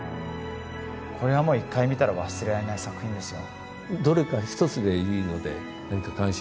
これはもう１回見たら忘れられない作品ですよ。